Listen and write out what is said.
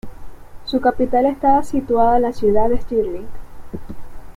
Su capital estaba situada en la ciudad de Stirling.